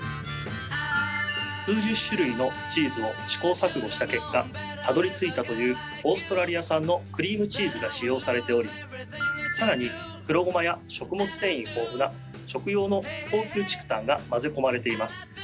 数十種類のチーズを試行錯誤した結果たどりついたというオーストラリア産のクリームチーズが使用されており更に黒ゴマや食物繊維豊富な食用の高級竹炭が混ぜ込まれています。